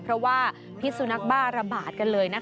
เพราะว่าพิสุนักบ้าระบาดกันเลยนะคะ